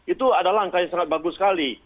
itu adalah langkah yang sangat bagus sekali